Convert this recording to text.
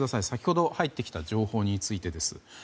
先ほど入ってきた情報についてです。